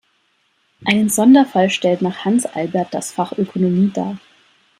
Einen Sonderfall stellt nach Hans Albert das Fach Ökonomie dar.